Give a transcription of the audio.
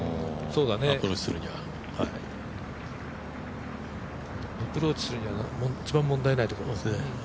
そうだね、アプローチするには一番問題ないところ。